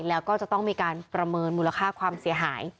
แล้วก็จะต้องมีการประเมินมูลค่าความเสียหาย